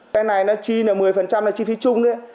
cái này nó chi là một mươi là chi phí chung đấy